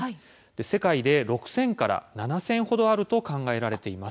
世界で６０００から７０００程あると考えられています。